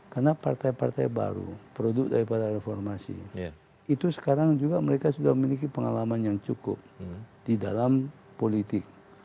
karena partai partai baru produk dari reformasi itu sekarang juga mereka sudah memiliki pengalaman yang cukup di dalam politik